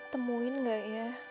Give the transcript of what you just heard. temuin gak ya